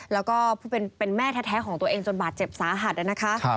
แล้วก็เป็นแม่แท้ของตัวเองจนบาดเจ็บสาหัสนะคะ